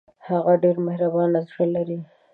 هغه ډېر مهربان زړه لري